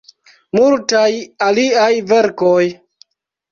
Multaj aliaj verkoj.